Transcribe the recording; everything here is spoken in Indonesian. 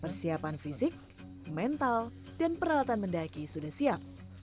persiapan fisik mental dan peralatan mendaki sudah siap